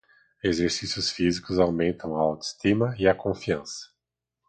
Exercícios físicos aumentam a autoestima e a confiança.